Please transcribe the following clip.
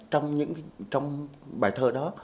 trong bài thơ đó